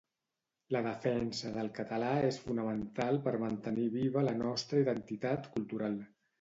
La defensa del català és fonamental per mantenir viva la nostra identitat cultural.